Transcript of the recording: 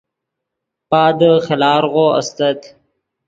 پادے خیلارغو استت